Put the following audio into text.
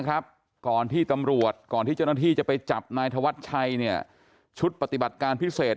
ก่อนที่ตำรวจก่อนที่เจ้าหน้าที่จะไปจับนายธวัชชัยเนี่ยชุดปฏิบัติการพิเศษ